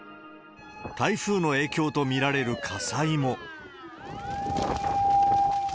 台風の影響と見られる火災も。